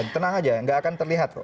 tenang aja nggak akan terlihat